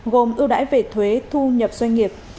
gồm ưu đãi về thuế thu nhập doanh nghiệp